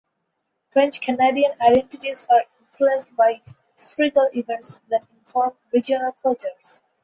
French Canadian identities are influenced by historical events that inform regional cultures.